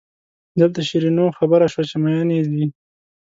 دلته شیرینو خبره شوه چې مئین یې ځي.